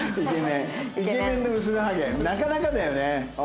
なかなかだよね。